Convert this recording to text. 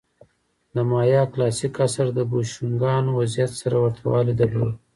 د مایا کلاسیک عصر د بوشونګانو وضعیت سره ورته والی درلود